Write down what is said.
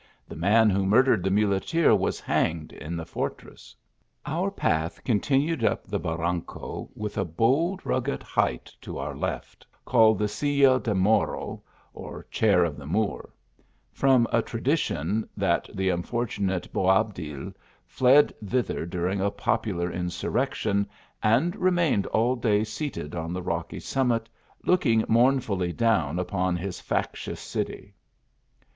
The man who murdered the muleteer was hanged in the fortress." Our path continued up the barranco, with a bold, rugged height to our left, called the Silla c^l Moro, or chair of the Moor ; from a tradition that the un fortunate Boabdil tied thither during a popular in surrection, and remained all day seated on the rocky summit, looking mournfully down upon his factious city.